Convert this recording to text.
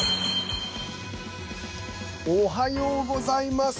おはようございます。